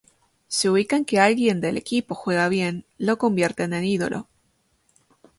Si ubican que alguien del equipo juega bien, lo convierten en ídolo.